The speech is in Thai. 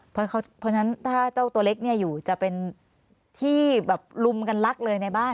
เพราะฉะนั้นถ้าเจ้าตัวเล็กเนี่ยอยู่จะเป็นที่แบบลุมกันลักเลยในบ้าน